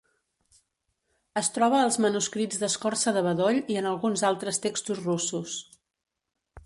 Es troba als manuscrits d'escorça de bedoll i en alguns altres textos russos.